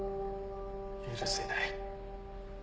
「許せない」